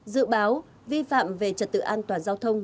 dự báo vi phạm về trật tự an toàn giao thông